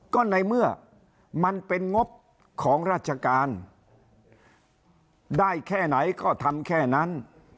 ก็ในเมื่อมันเป็นงบของราชการได้แค่ไหนก็ทำแค่นั้น